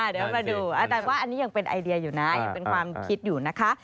เดี๋ยวมาดูอาจารย์ว่าอันนี้ยังเป็นไอเดียอยู่นะยังเป็นความคิดอยู่นะคะ